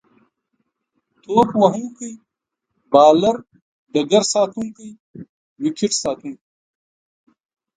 توپ وهونکی، بالر، ډګرساتونکی، ويکټ ساتونکی